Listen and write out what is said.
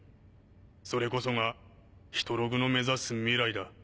それこそがヒトログの目指す未来だ。